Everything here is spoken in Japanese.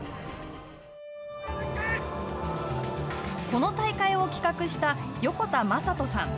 この大会を企画した横田真人さん。